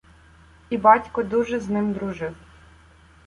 І батько дуже з ним дружив.